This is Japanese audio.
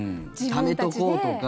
ためておこうとか。